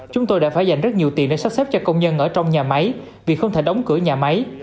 chúng tôi đã phải dành rất nhiều tiền để sắp xếp cho công nhân ở trong nhà máy vì không thể đóng cửa nhà máy